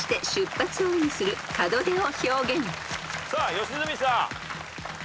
良純さん。